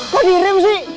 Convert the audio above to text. kok dirim sih